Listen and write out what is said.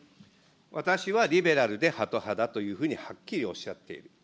私はリベラルでハト派だというふうにはっきりおっしゃっている。